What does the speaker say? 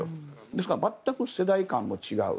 ですから全く世代間も違う。